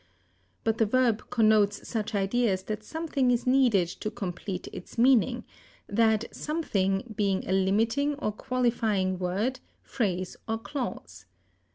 But the verb connotes such ideas that something is needed to complete its meaning, that something being a limiting or qualifying word, phrase, or clause.